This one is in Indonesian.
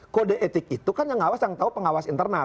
kode etik itu kan yang ngawas yang tahu pengawas internal